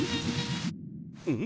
うん？